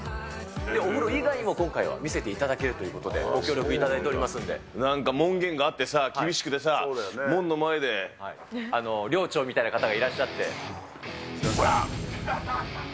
お風呂以外にも今回は見せていただけるということで、ご協力いたなんか門限があってさ、厳しくてさ、寮長みたいな方がいらっしゃこら！